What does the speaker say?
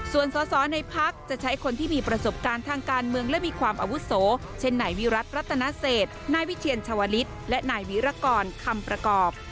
ส่วนสอสอในพักจะใช้คนที่มีประสบการณ์ทางการเมืองและมีความอาวุโสเช่นนายวิรัติรัตนเศษนายวิเชียรชาวลิศและนายวิรกรคำประกอบ